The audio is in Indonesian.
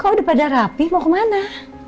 kalau udah pada rapi mau kemana